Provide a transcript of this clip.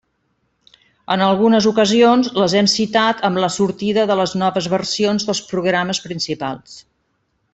En algunes ocasions, les hem citat amb la sortida de les noves versions dels programes principals.